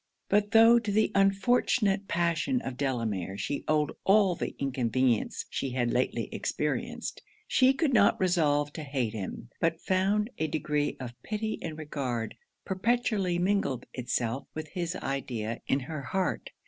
But tho' to the unfortunate passion of Delamere she owed all the inconvenience she had lately experienced, she could not resolve to hate him; but found a degree of pity and regard perpetually mingled itself with his idea in her heart.